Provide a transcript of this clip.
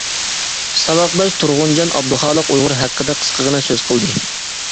ساۋاقداش تۇرغۇنجان ئابدۇخالىق ئۇيغۇر ھەققىدە قىسقىغىنە سۆز قىلدى.